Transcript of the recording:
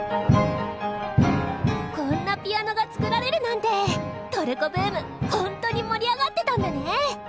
こんなピアノが作られるなんてトルコブームほんとに盛り上がってたんだね！